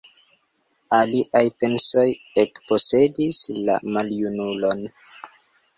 Aliaj pensoj ekposedis la maljunulon.